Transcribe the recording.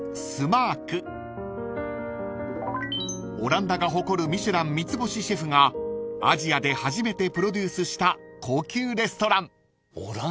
［オランダが誇る『ミシュラン』三つ星シェフがアジアで初めてプロデュースした高級レストラン］